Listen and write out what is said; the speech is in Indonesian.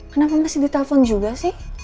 kenapa masih ditelepon juga sih